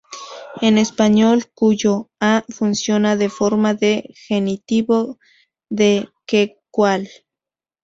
En español "cuyo, -a" funciona de forma de genitivo de "que, cual".